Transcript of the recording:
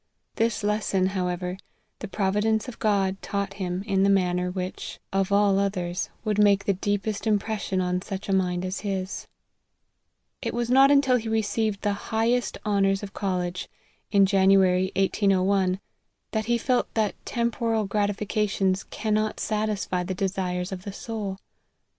This lesson, however, the providence of God taught him in the manner which, LIFE OF HENRY MARTYN 15 of all others, would make the deepest impression on such a mind as his. It was not until he received the highest honours of college, in January 1801, that he felt that temporal gratifications cannot satisfy the desires of the soul.